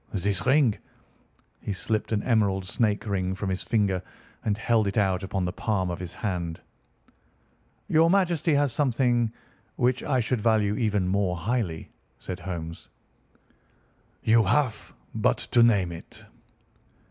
This ring—" He slipped an emerald snake ring from his finger and held it out upon the palm of his hand. "Your Majesty has something which I should value even more highly," said Holmes. "You have but to name it."